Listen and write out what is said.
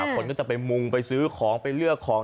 คนก็จะไปมุงไปซื้อของไปเลือกของ